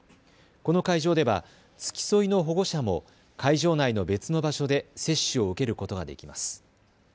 この会場では付き添いの保護者も会場内の別の場所で接種を受けることができます。